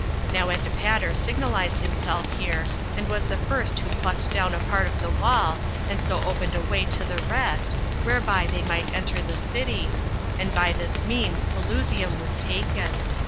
Now Antipater signalized himself here, and was the first who plucked down a part of the wall, and so opened a way to the rest, whereby they might enter the city, and by this means Pelusium was taken.